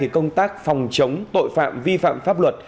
công tác phòng chống tội phạm vi phạm pháp luật